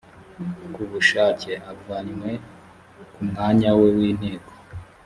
ku bushake avanywe ku mwanya we n inteko